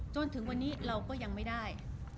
จนถึงวันนี้เราก็ยังไม่ได้